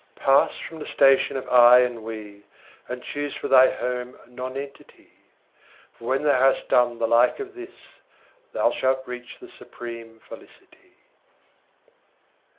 Pass from the station of "I" and "We," and choose for thy home Nonentity, For when thou has done the like of this, thou shalt reach the supreme Felicity.